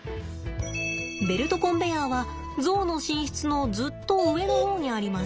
ベルトコンベヤーはゾウの寝室のずっと上の方にあります。